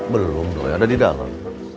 belum boleh ada di dalam